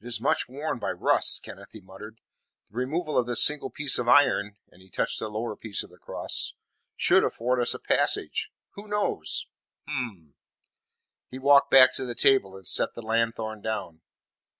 "It is much worn by rust, Kenneth," he muttered. "The removal of this single piece of iron," and he touched the lower arm of the cross, "should afford us passage. Who knows? Hum!" He walked back to the table and set the lanthorn down.